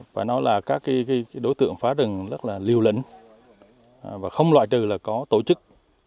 và nó là các đối tượng phá rừng rất là liều lẫn và không loại trừ là có tổ chức